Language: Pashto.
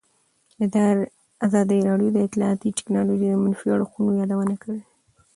ازادي راډیو د اطلاعاتی تکنالوژي د منفي اړخونو یادونه کړې.